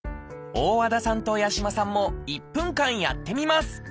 大和田さんと八嶋さんも１分間やってみます